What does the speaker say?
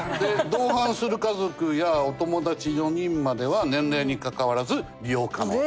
同伴する家族やお友達４人までは年齢にかかわらず利用可能と。